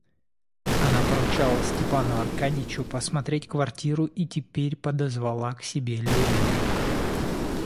Она поручала Степану Аркадьичу посмотреть квартиру и теперь подозвала к себе Левина.